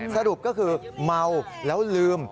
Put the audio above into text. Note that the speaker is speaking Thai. สรุปก็คือเมาแล้วลืม